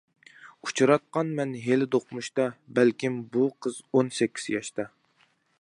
ئۇچراتقانمەن ھېلى دوقمۇشتا، بەلكىم، بۇ قىز ئون سەككىز ياشتا.